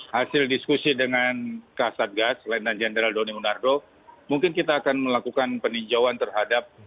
hasil diskusi dengan ksatgas lendan jenderal doni munardo mungkin kita akan melakukan peninjauan terhadap